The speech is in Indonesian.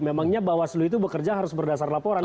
memangnya bawaslu itu bekerja harus berdasar laporan